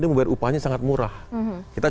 dia membayar upahnya sangat murah kita